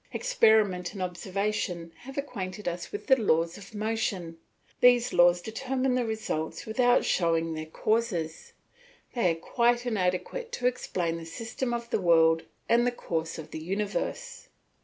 Experiment and observation have acquainted us with the laws of motion; these laws determine the results without showing their causes; they are quite inadequate to explain the system of the world and the course of the universe.